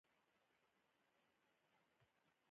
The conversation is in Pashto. فدا کارۍ او مهربانۍ ته هڅول.